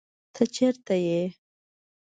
ته چرته یې؟